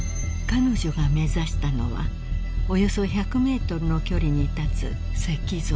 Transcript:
［彼女が目指したのはおよそ１００ｍの距離に立つ石像］